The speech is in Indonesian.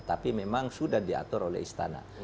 tapi memang sudah diatur oleh istana